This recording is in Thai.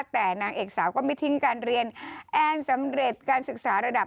แต่นางเอกสาวก็ไม่ทิ้งการเรียนแอนสำเร็จการศึกษาระดับ